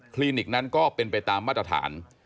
ลินิกนั้นก็เป็นไปตามมาตรฐาน